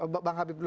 baik bang habib dulu